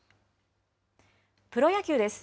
プロ野球です。